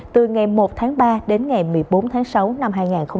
từ ngày một tháng ba đến ngày một mươi bốn tháng sáu năm hai nghìn hai mươi